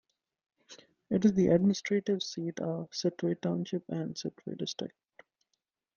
It is the administrative seat of Sittwe Township and Sittwe District.